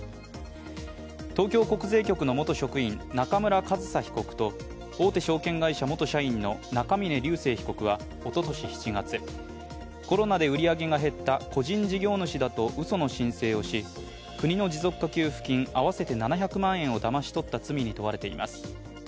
東京国税局の元職員・中村上総被告と大手証券会社元社員の中峯竜晟被告は一昨年７月コロナで売り上げが減った個人事業主だとうその申請をし国の持続化給付金合わせて７００万円をだまし取った罪に問われています。